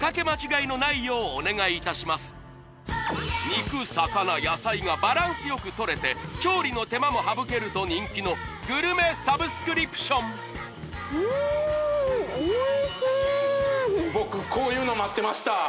肉魚野菜がバランスよくとれて調理の手間も省けると人気のグルメサブスクリプションうんうわ